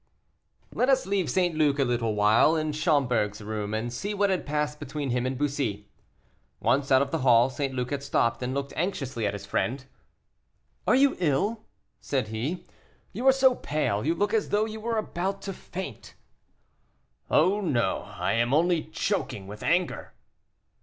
Let us leave St. Luc a little while in Schomberg's room, and see what had passed between him and Bussy. Once out of the hall, St. Luc had stopped, and looked anxiously at his friend. "Are you ill?" said he, "you are so pale; you look as though you were about to faint." "No, I am only choking with anger."